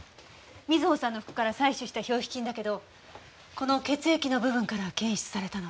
美津保さんの服から採取した表皮菌だけどこの血液の部分から検出されたの。